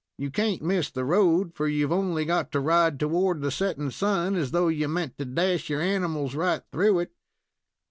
You can't miss the road, for you've only got to ride toward the setting sun, as though you meant to dash your animal right through it."